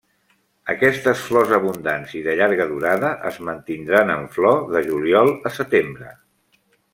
Aquestes flors abundants i de llarga durada es mantindran en flor de juliol a setembre.